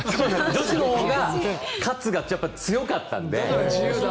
女子のほうが活が強かったので。